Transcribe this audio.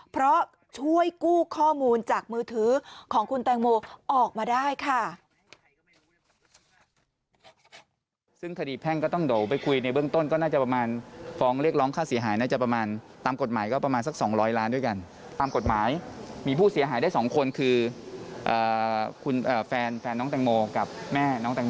เพราะช่วยกู้ข้อมูลจากมือถือของคุณแตงโมออกมาได้ค่ะ